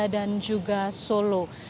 dan juga solo